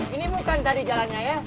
ini bukan dari jalannya ya